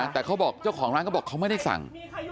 แต่เขาบอกเจ้าของร้านก็บอกเขาไม่ได้สั่ง